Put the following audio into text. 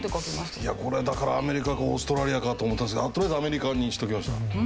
いやこれだからアメリカかオーストラリアかと思ったんですけどとりあえずアメリカにしときました。